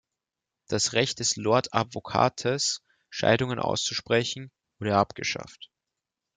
Das Recht des Lord Advocates, Scheidungen auszusprechen, wurde abgeschafft.